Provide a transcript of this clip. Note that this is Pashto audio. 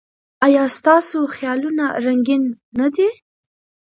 ایا ستاسو خیالونه رنګین نه دي؟